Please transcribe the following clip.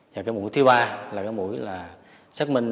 và cái mũi thứ ba là cái mũi là xác minh